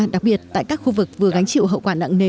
đặc biệt tại các khu vực vừa gánh chịu hậu quả nặng nề